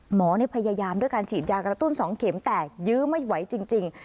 หมอพยายามด้วยการฉีดยากระตุ้น๒เข็มแต่ยื้อไม่ไหวจริง